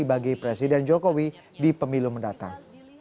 bagi presiden jokowi di pemilu mendatang